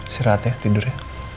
serehat ya tidur ya